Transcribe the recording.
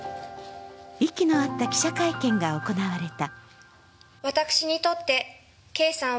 息の合った記者会見が行われた。